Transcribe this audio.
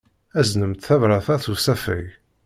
Aznemt tabṛat-a s usafag.